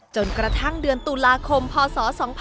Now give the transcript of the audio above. จนกระทั่งเดือนตุลาคมพศ๒๕๖๒